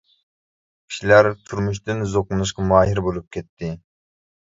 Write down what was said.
كىشىلەر تۇرمۇشتىن زوقلىنىشقا ماھىر بولۇپ كەتتى.